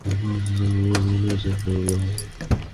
এটা গতবছরের সব সোস্যাল মিডিয়ার কমপ্লিট এনালাইসিস।